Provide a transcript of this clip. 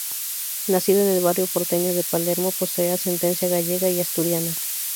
Nacido en el barrio porteño de Palermo, posee ascendencia gallega y asturiana.